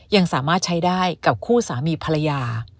ยังสามารถใช้ได้กับคู่สามีภรรยา